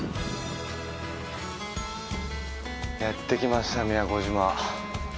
やってきました、宮古島。